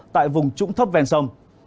tại vùng trũng thấp ven sông